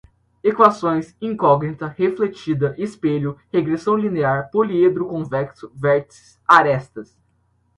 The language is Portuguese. Equações, incógnita, refletida, espelho, regressão linear, poliedro convexo, vértices, arestas